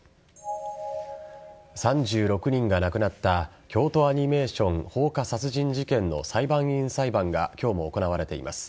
３６人が亡くなった京都アニメーション放火殺人事件の裁判員裁判が今日も行われています。